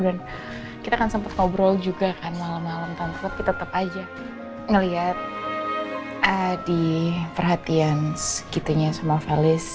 dan kita kan sempet ngobrol juga kan malem malem tante tapi tetep aja ngeliat di perhatian segitunya sama felis